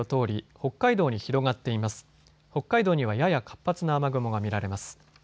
北海道にはやや活発な雨雲が見られます。